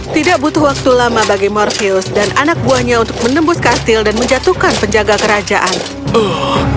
tidak butuh waktu lama bagi morfheus dan anak buahnya untuk menembus kastil dan menjatuhkan penjaga kerajaan